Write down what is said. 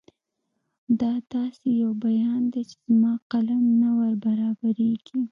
دا داسې یو بیان دی چې زما قلم نه وربرابرېږي.